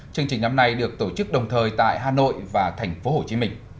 chương trình năm nay được tổ chức đồng thời tại hà nội và thành phố hồ chí minh